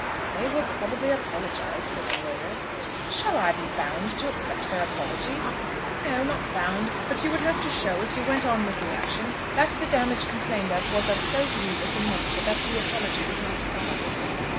"They will probably apologise," said the lawyer. "Shall I be bound to accept their apology?" "No; not bound; but you would have to show, if you went on with the action, that the damage complained of was of so grievous a nature that the apology would not salve it."